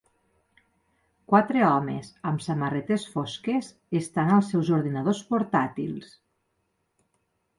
quatre homes amb samarretes fosques estan als seus ordinadors portàtils.